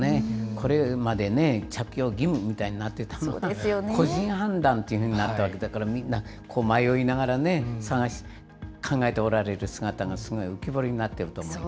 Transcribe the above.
これまでね、着用義務みたいになっていたものが、個人判断というふうになったわけだから、みんな、迷いながらね、探し、考えておられる姿がすごい浮き彫りになっていると思います。